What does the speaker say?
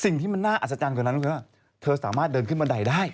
สิ่งที่มันน่าอัศจรรย์กว่านั้นคือว่าเธอสามารถเดินขึ้นบันไดได้